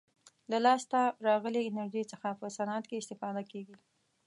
له لاسته راغلې انرژي څخه په صنعت کې استفاده کیږي.